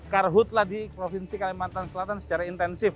karhutlah di provinsi kalimantan selatan secara intensif